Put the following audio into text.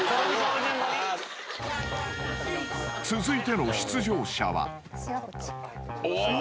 ［続いての出場者は］お！